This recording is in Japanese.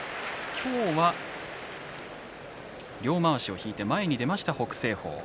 今日は両まわしを引いて前に出ました、北青鵬。